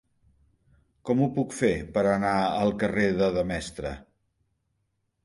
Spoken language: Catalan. Com ho puc fer per anar al carrer de Demestre?